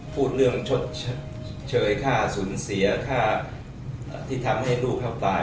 พูดเรื่องชดเชยค่าสูญเสียค่าที่ทำให้ลูกเขาตาย